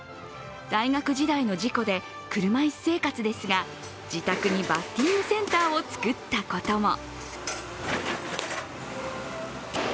大学時代の事故で車椅子生活ですが、自宅にバッティングセンターを造ったことも。